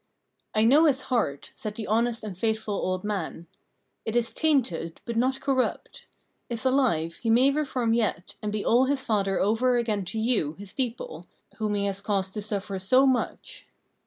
"I know his heart," said the honest and faithful old man; "it is tainted, but not corrupt. If alive, he may reform yet, and be all his father over again to you, his people, whom he has caused to suffer so much."